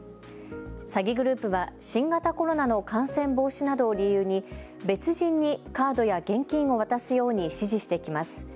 詐欺グループは新型コロナの感染防止などを理由に別人にカードや現金を渡すように指示してきます。